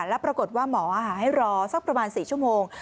แล้วปรากฏว่าหมอให้รอสักประมาณ๔ชั่วโมง